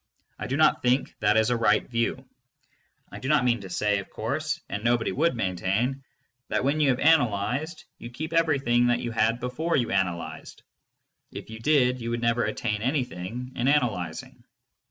I do not think that is a right view. I do not mean to say, of course, and nobody would maintain, that when you have analyzed you keep everything that you had before you analyzed. If you did, you would never attain anything in analyzing.